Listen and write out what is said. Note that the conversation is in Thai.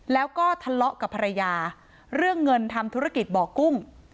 แล้วก็ทะเลาะกับภรรยาเรื่องเงินทำธุรกิจบ่อกุ้ง